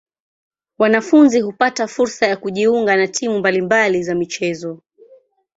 Wanafunzi hupata fursa ya kujiunga na timu mbali mbali za michezo.